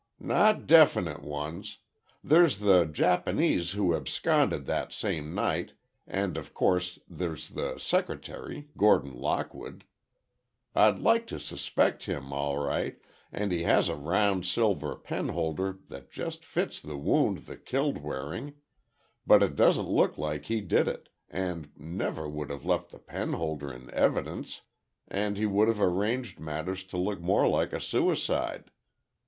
"Not definite ones. There's the Japanese who absconded that same night, and of course, there's the secretary, Gordon Lockwood. I'd like to suspect him, all right, and he has a round silver penholder that just fits the wound that killed Waring. But it doesn't look like he did it, he never would have left the penholder in evidence, and he would have arranged matters to look more like a suicide.